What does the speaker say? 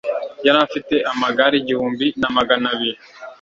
yari afite amagare igihumbi na magana abiri